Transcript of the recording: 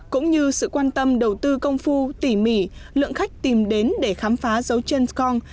cũng như sự quan tâm đầu tư công phu tỉ mỉ lượng khách tìm đến để khám phá dấu chân scon